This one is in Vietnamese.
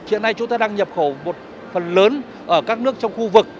hiện nay chúng ta đang nhập khẩu một phần lớn ở các nước trong khu vực